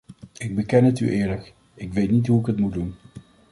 Ik beken het u eerlijk: ik weet niet hoe ik het moet doen.